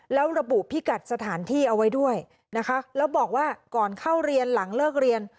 แล้วระบุพิกัดสถานที่เอาไว้ด้วยนะคะแล้วบอกว่าก่อนเข้าเรียนหลังเลิกเรียน